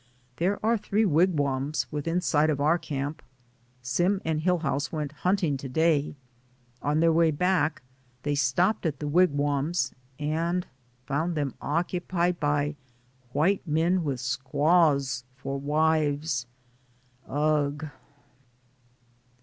There are three wigwams within sight of our camp. Sim and Hillhouse went hunting to day. On their way back they stopped at the wigwams and found them occupied by white men with squaws for wives. Ugh